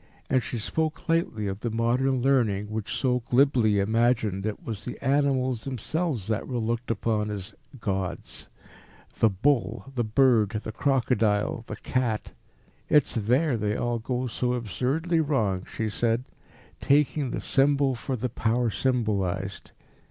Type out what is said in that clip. And she spoke lightly of the modern learning which so glibly imagined it was the animals themselves that were looked upon as "gods" the bull, the bird, the crocodile, the cat. "It's there they all go so absurdly wrong," she said, "taking the symbol for the power symbolised.